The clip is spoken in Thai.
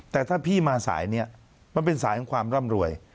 แต่ถ้าพี่มาสายนี้มันเป็นสายของความร่ำรวย